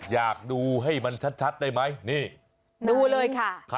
อยากดูให้มันชัดได้ไหมนี่ดูเลยค่ะ